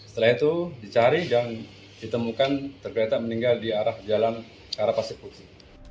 setelah itu dicari dan ditemukan tergeletak meninggal di arah jalan ke arah pasir putih